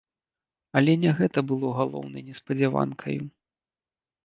Але не гэта было галоўнай неспадзяванкаю.